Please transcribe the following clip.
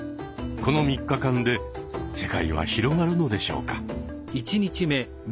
この３日間で世界は広がるのでしょうか。